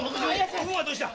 おぶんはどうした？